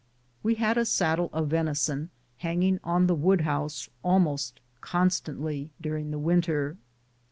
We had a saddle of venison hanging on the wood house almost constantly during the winter.